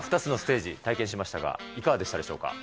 さあ、２つのステージ、体験しましたが、いかがでしたでしょうか。